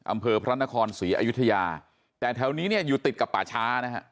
อำเภอพระนครศรีอยุธยาแต่แถวนี้เนี่ยอยู่ติดกับป่าช้านะฮะ